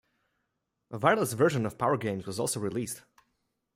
A wireless version of Power Games was also released.